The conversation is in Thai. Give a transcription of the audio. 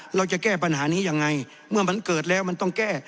เราจะแก้ปัญหานี้ยังไงเมื่อมันเกิดแล้วมันต้องแก้